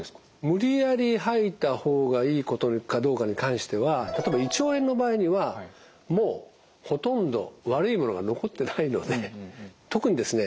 無理やり吐いた方がいいことかどうかに関しては例えば胃腸炎の場合にはもうほとんど悪いものが残ってないので特にですね